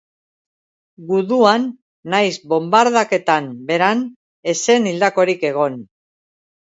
Guduan nahiz bonbardaketan beran ez zen hildakorik egon.